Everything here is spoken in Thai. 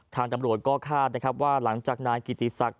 ทางตำรวจก็คาดว่าหลังจากนายกิติศักดิ์รับว่า